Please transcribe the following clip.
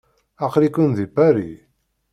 Aql-iken deg Paris?